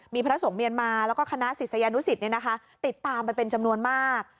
มีพระสงฆ์เมียนมาแล้วก็คณะศิษยานุสิตติดตามไปเป็นจำนวนมาก